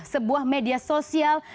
sebuah media sosial